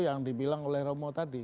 yang dibilang oleh romo tadi